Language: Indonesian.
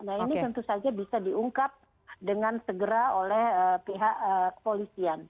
nah ini tentu saja bisa diungkap dengan segera oleh pihak kepolisian